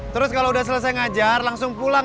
terus kalau udah selesai ngajar langsung pulang